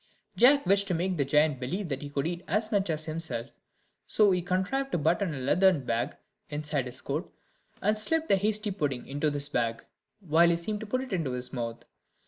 Jack wished to make the giant believe that he could eat as much as himself; so he contrived to button a leathern bag inside his coat, and slipped the hasty pudding into this bag, while he seemed to put it into his mouth.